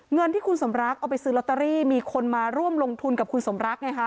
เงินที่คุณสมรักเอาไปซื้อลอตเตอรี่มีคนมาร่วมลงทุนกับคุณสมรักไงคะ